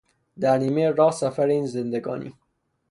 در نیمه راه سفر این زندگانی